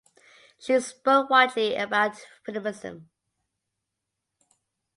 She spoke widely about feminism.